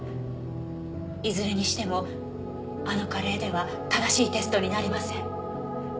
いずれにしてもあのカレーでは正しいテストになりません。